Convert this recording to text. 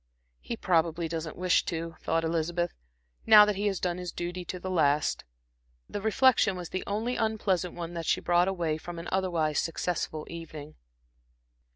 "He probably doesn't wish to," thought Elizabeth, "now that he has done his duty to the last." The reflection was the only unpleasant one that she brought away from an otherwise successful evening.